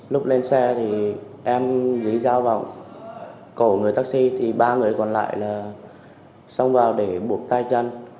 lúc lên xe thì em dưới dao vào cổ người taxi thì ba người còn lại là xông vào để buộc tay chân